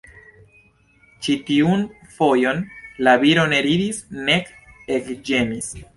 Ĉi tiun fojon la viro ne ridis nek ekĝemis.